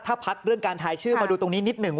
ถ้าพักเรื่องการทายชื่อมาดูตรงนี้นิดหนึ่ง